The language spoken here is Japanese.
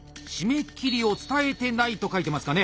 「〆切りを伝えてない」と書いてますかね。